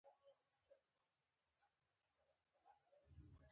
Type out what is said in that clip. بدرنګه زړه نه بښنه لري